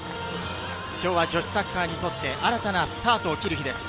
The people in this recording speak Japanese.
女子サッカーにとって新たなスタートを切る日です。